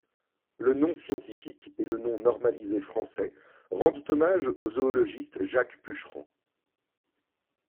Le nom scientifique et le nom normalisé français rendent hommage au zoologiste Jacques Pucheran.